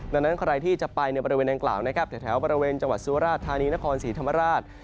ดังนั้นใครที่จะไปในบริเวณดังกล่าวนะครับแถวบริเวณจังหวัดสุราธานีนครศรีธรรมราช